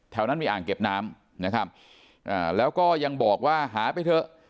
แถวนั้นมีอ่างเก็บน้ำนะครับแล้วก็ยังบอกว่าหาไปเถอะ